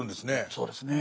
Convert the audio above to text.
そうですね。